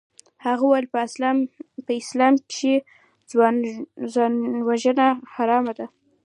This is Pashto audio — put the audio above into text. هغه وويل په اسلام کښې ځانوژنه حرامه ده.